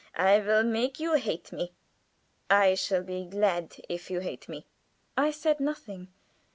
I will make you hate me. I shall be glad if you hate me." I said nothing.